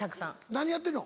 何やってるの？